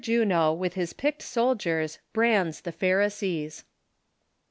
JUNO WITH HIS PICKED SOLDIERS BRANDS THE PHARISEES.